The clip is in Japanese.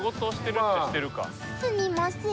すみません」。